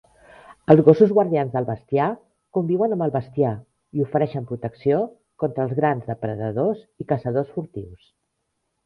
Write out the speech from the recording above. Els gossos guardians del bestiar conviuen amb el bestiar i ofereixen protecció contra els grans depredadors i caçadors furtius.